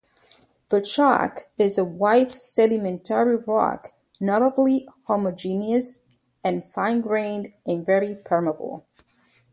The chalk is a white sedimentary rock, notably homogeneous and fine-grained, and very permeable.